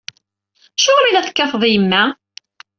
Acuɣer i la tekkateḍ yemma?!